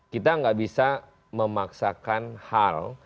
kita nggak bisa memaksakan hal